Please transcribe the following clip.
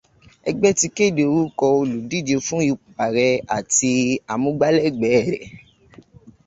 Ẹgbẹ́ ti kéde orúkọ olùdíje fún ipò ààrẹ àti amúgbálẹ́gbẹ̀ẹ́ rẹ̀.